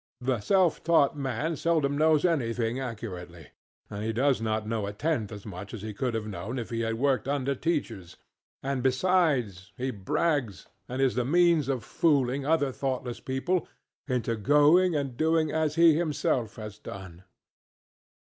The self taught man seldom knows anything accurately, and he does not know a tenth as much as he could have known if he had worked under teachers; and, besides, he brags, and is the means of fooling other thoughtless people into going and doing as he himself has done.